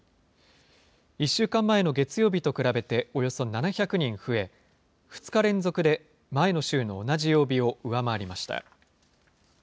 １週間前の月曜日と比べて、およそ７００人増え、２日連続で前の週の同じ曜日を上回りました。